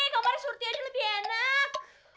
kamu harus hurti aja lebih enak